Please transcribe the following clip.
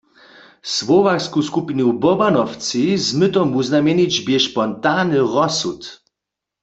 Słowaksku skupinu Bobáňovci z mytom wuznamjenić bě spontany rozsud.